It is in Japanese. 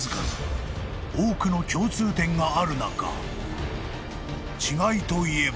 ［多くの共通点がある中違いといえば］